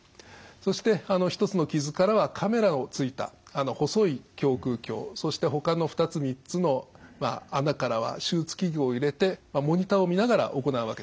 そして１つの傷からはカメラのついた細い胸腔鏡そしてほかの２つ３つの穴からは手術器具を入れてモニターを見ながら行うわけです。